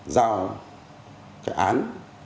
giao cái án